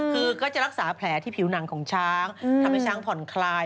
คือก็จะรักษาแผลที่ผิวหนังของช้างทำให้ช้างผ่อนคลาย